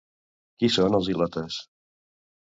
Qui són els ilotes?